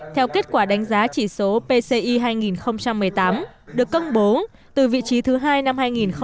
theo kết quả đánh giá chỉ số pci hai nghìn một mươi tám được công bố từ vị trí thứ hai năm hai nghìn một mươi tám